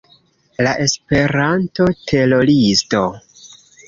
La Esperanto-teroristo